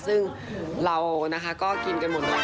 ซึ่งเราก็กินกันหมดแล้วอร่อยหมดเลย